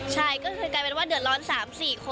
เคยกลายเป็นดวนเดือนร้อน๓๔คนไปเลยค่ะ